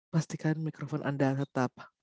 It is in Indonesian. pastikan mikrofon anda tetap